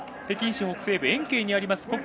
北京市北西部延慶にあります